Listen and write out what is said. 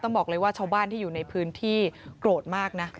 บอกเลยว่าชาวบ้านที่อยู่ในพื้นที่โกรธมากนะ